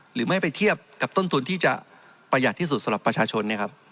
หรือไม่ไปเทียบกับต้นทุนที่จะประหยัดที่สุดสำหรับประชาชน